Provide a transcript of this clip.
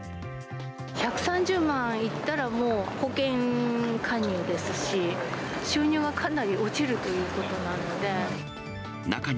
１３０万いったらもう保険加入ですし、収入がかなり落ちるということなので。